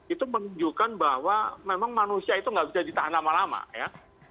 itu menunjukkan bahwa memang manusia itu nggak bisa ditahan lama lama ya